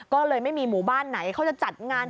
ก็เลยไม่มีหมู่บ้านไหนเขาจะจัดงาน